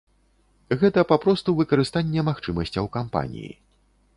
Гэта папросту выкарыстанне магчымасцяў кампаніі.